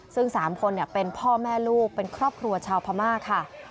ซึ่ง๓คนเป็นพ่อแม่ลูกเป็นครอบครัวชาวพม่าค่ะ